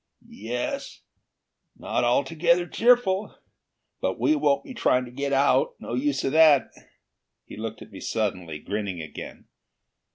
"Yes. Not altogether cheerful. But we won't be trying to get out. No use of that." He looked at me suddenly, grinning again.